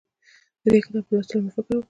د دې کتاب په لوستو مې فکر وکړ.